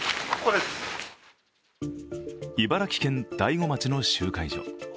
茨城県大子町の集会所。